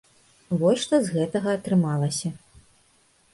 Вось што з гэтага атрымалася.